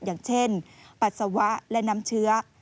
อย่างเช่นปัสสาวะและน้ำเชื้อ